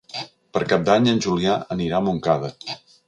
Per Cap d'Any en Julià anirà a Montcada.